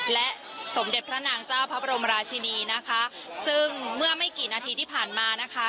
และสมเด็จพระนางเจ้าพระบรมราชินีนะคะซึ่งเมื่อไม่กี่นาทีที่ผ่านมานะคะ